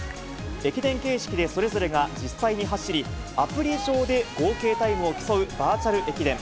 駅伝形式でそれぞれが実際に走り、アプリ上で合計タイムを競うバーチャル駅伝。